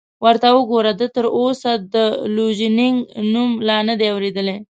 ورته وګوره، ده تراوسه د لوژینګ نوم لا نه دی اورېدلی!